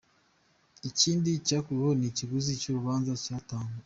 Ikindi cyakuweho ni ikiguzi cy’urubanza cyatangwaga.